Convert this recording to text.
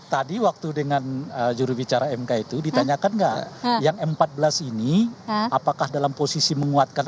tadi waktu dengan jurubicara mk itu ditanyakan nggak yang empat belas ini apakah dalam posisi menguatkan